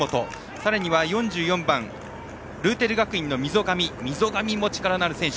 さらには４４番ルーテル学院の溝上も力のある選手。